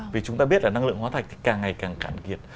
vì chúng ta biết là năng lượng hóa thạch thì càng ngày càng cạn kiệt